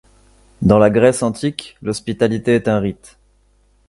Dans la Grèce antique, l'hospitalité est un rite.